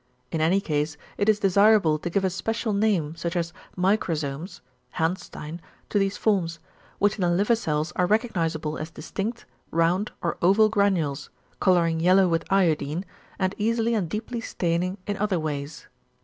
In any case, it is desirable to give a special name, such as microsomes (Hanstein) to these forms, which in the liver cells are recognisable as distinct, round or oval granules, colouring yellow with iodine, and easily and deeply staining in other ways."